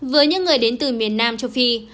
với những người đến từ miền nam châu phi